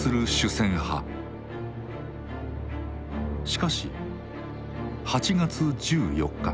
しかし８月１４日。